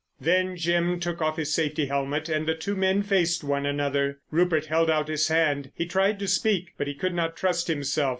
Then Jim took off his safety helmet and the two men faced one another. Rupert held out his hand. He tried to speak, but he could not trust himself.